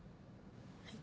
はい。